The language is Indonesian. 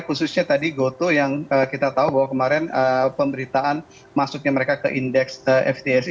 khususnya tadi gotoh yang kita tahu bahwa kemarin pemberitaan masuknya mereka ke indeks ftsc